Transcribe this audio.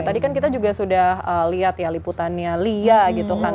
tadi kan kita juga sudah lihat ya liputannya lia gitu kan